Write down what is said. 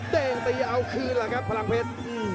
เด้งตีเอาคืนแหละครับพลังเพชร